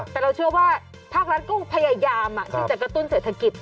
แต่เราเชื่อว่าภาครัฐก็พยายามที่จะกระตุ้นเศรษฐกิจ